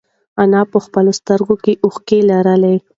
انا په خپلو سترگو کې اوښکې لرلې.